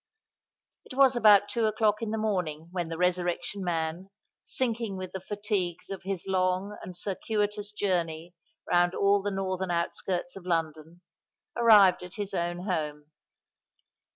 It was about two o'clock in the morning when the Resurrection Man, sinking with the fatigues of his long and circuitous journey round all the northern outskirts of London, arrived at his own house.